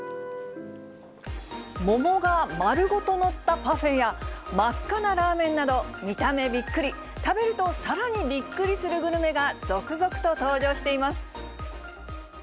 桃が丸ごと載ったパフェや、真っ赤なラーメンなど、見た目びっくり、食べるとさらにびっくりするグルメが続々と登場しています。